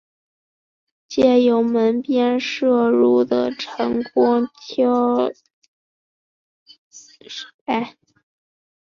借由门边射入的晨光挑著菜